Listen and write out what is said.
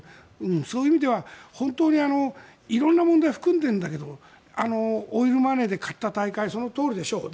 そういう意味では本当に色んな問題を含んでいるんだけどオイルマネーで買った大会そのとおりでしょう。